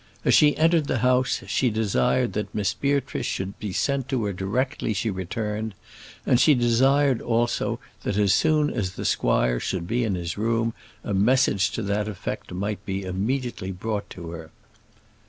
As she entered the house she desired that Miss Beatrice should be sent to her directly she returned; and she desired also, that as soon as the squire should be in his room a message to that effect might be immediately brought to her.